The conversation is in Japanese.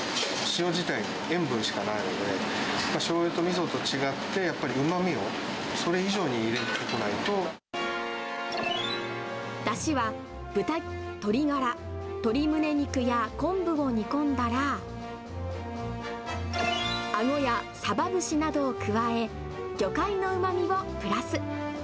塩自体、塩分しかないので、しょうゆとみそと違って、やっぱりうまみを、それ以上に入れていだしは、豚、鶏ガラ、鶏ムネ肉や昆布を煮込んだら、アゴやサバ節などを加え、魚介のうまみをプラス。